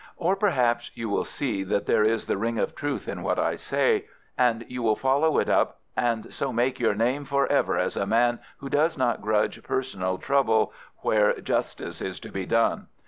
Or perhaps you will see that there is the ring of truth in what I say, and you will follow it up, and so make your name for ever as a man who does not grudge personal trouble where justice is to be done.